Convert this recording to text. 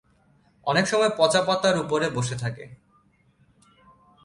অনেকসময় পচা পাতার উপর বসে থাকে।